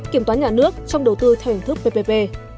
kiểm toán nhà nước trong đầu tư theo hình thức ppp